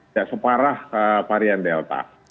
tidak separah varian delta